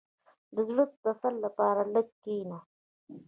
• د زړۀ د تسل لپاره لږ کښېنه.